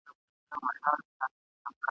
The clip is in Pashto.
نه اوږده د هجر شپه وي نه بې وسه ډېوه مړه وي ..